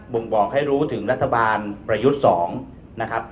บ่งบอกให้รู้ถึงรัฐบาลประยุทธ์๒